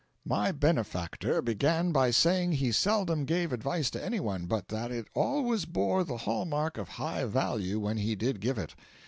My benefactor began by saying he seldom gave advice to anyone, but that it always bore the hallmark of high value when he did give it.